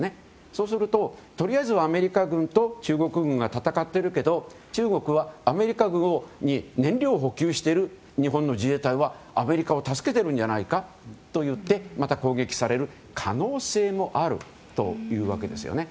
そうすると、とりあえずはアメリカ軍と中国軍が戦っているけど中国はアメリカ軍に燃料を補給している日本の自衛隊はアメリカを助けているじゃないかといってまた攻撃される可能性もあるというわけですよね。